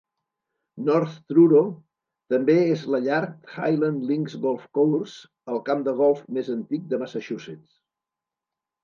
North Truro també és la llar de Highland Links Golf Course, el camp de golf més antic de Massachusetts.